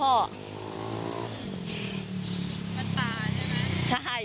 บ้านตาใช่ไหม